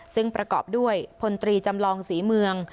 ซึ่งประกอบด้วยพลตรีจำลองศรีเมือง